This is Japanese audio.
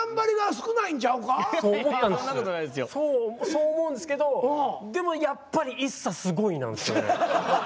そう思うんですけどでもやっぱり「ＩＳＳＡすごい」なんですよね。